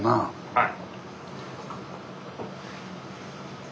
はい。